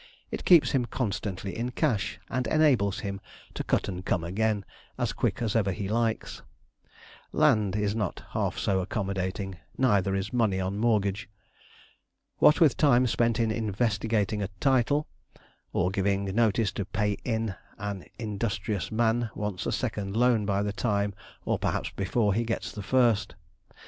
It keeps him constantly in cash, and enables him to 'cut and come again,' as quick as ever he likes. Land is not half so accommodating; neither is money on mortgage. What with time spent in investigating a title, or giving notice to 'pay in,' an industrious man wants a second loan by the time, or perhaps before, he gets the first.